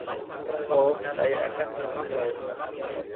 O saya akan pergi melaut!